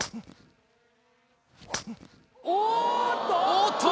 おっと！